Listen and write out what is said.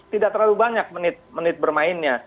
tidak terlalu banyak menit menit bermainnya